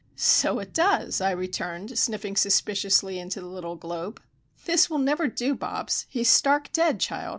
"So it does!" I returned, sniffing suspiciously into the little globe. "This will never do, Bobs. He's stark dead, child!